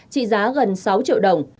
trị giá gần sáu triệu đồng